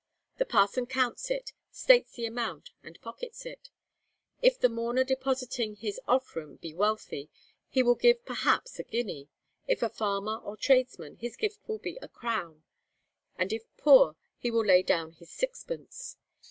The parson counts it, states the amount, and pockets it. If the mourner depositing his offrwm be wealthy, he will give perhaps a guinea; if a farmer or tradesman, his gift will be a crown; and if poor, he will lay down his sixpence.